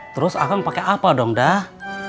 terus akang pake apa dong dah